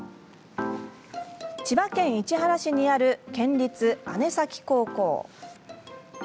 千葉県市原市にある県立姉崎高校。